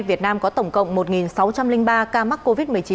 việt nam có tổng cộng một sáu trăm linh ba ca mắc covid một mươi chín